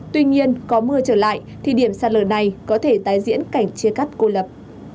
tuy nhiên có mưa trở lại thì điểm sạt lở này có thể tái diễn cảnh chia cắt cô lập